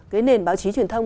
cái nền báo chí truyền thông